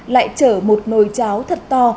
lại trở một nồi cháo thật to